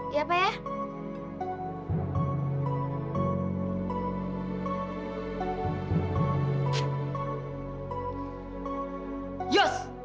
iya pak ya